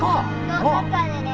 今日サッカーでね